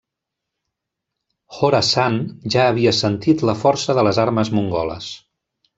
Khorasan ja havia sentit la força de les armes mongoles.